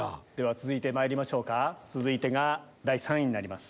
続いてまいりましょうか続いてが第３位になります。